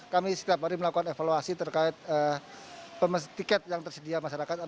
kami setiap hari melakukan evaluasi terkait tiket yang tersedia masyarakat